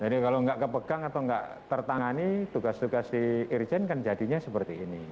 jadi kalau nggak kepegang atau nggak tertangani tugas tugas di irjen kan jadinya seperti ini